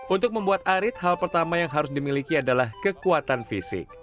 untuk membuat arit hal pertama yang harus dimiliki adalah kekuatan fisik